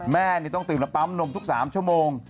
แม่นี่ต้องตื่นแล้วปั๊มนมทุก๓ชั่วโมง